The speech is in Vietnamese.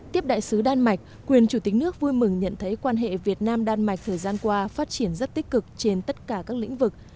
tiếp đại sứ đan mạch quyền chủ tịch nước vui mừng nhận thấy quan hệ việt nam đan mạch thời gian qua phát triển rất tích cực trên tất cả các lĩnh vực